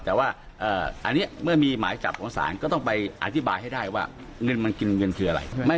แต่ว่าอันนี้เมื่อมีหมายจับของศาลก็ต้องไปอธิบายให้ได้ว่าเงินมันกินเงินคืออะไร